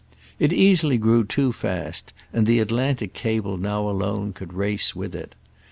It easily grew too fast, and the Atlantic cable now alone could race with it.